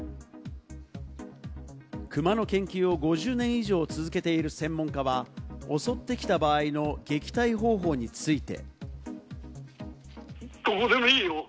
クマの研究を５０年以上続けている専門家は、襲ってきた場合の撃退方法について。